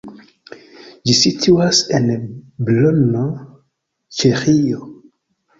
Ĝi situas en Brno, Ĉeĥio.